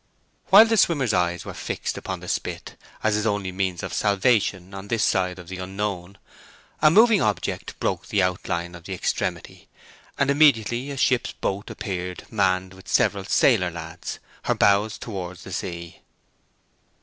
While the swimmer's eyes were fixed upon the spit as his only means of salvation on this side of the Unknown, a moving object broke the outline of the extremity, and immediately a ship's boat appeared manned with several sailor lads, her bows towards the sea.